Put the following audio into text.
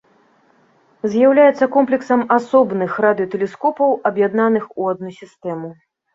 З'яўляецца комплексам асобных радыётэлескопаў аб'яднаных у адну сістэму.